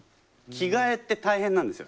着替えって大変なんですよ